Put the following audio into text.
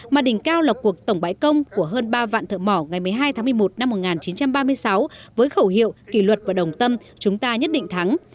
mà đỉnh cao là cuộc tổng bãi công của hơn ba vạn thợ mỏ ngày một mươi hai tháng một mươi một năm một nghìn chín trăm ba mươi sáu với khẩu hiệu kỷ luật và đồng tâm chúng ta nhất định thắng